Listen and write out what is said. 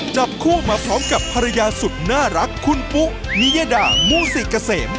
จับคู่มาพร้อมกับภรรยาสุดน่ารักคุณปุ๊นิยดามูศิเกษม